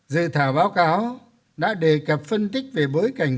dự thảo báo cáo đã đề cập phân tích về bối cảnh